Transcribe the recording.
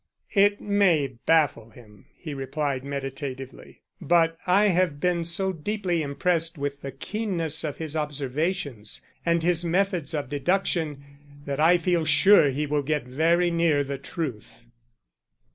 "It may baffle him," he replied meditatively. "But I have been so deeply impressed with the keenness of his observations and his methods of deduction that I feel sure he will get very near to the truth."